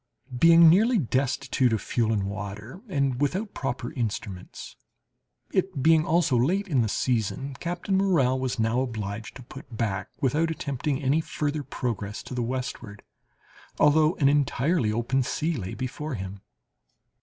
Being nearly destitute of fuel and water, and without proper instruments, it being also late in the season, Captain Morrell was now obliged to put back, without attempting any further progress to the westward, although an entirely open, sea lay before him.